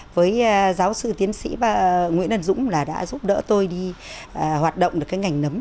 với giáo sư tiến sĩ nguyễn ân dũng đã giúp đỡ tôi đi hoạt động được ngành nấm